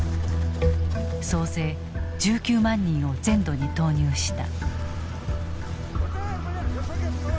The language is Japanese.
総勢１９万人を全土に投入した。